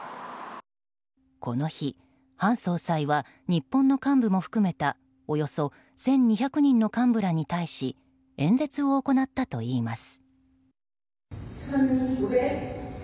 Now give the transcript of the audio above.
この日、韓総裁は日本の幹部も含めたおよそ１２００人の幹部らに対し演説を行ったといいます。